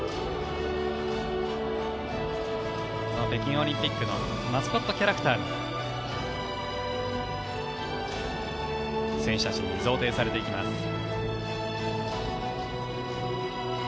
北京オリンピックのマスコットキャラクターが選手たちに贈呈されていきます。